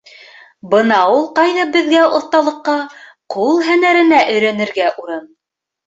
Бына ул ҡайҙа беҙгә оҫталыҡҡа, ҡул һәнәренә өйрәнергә урын!..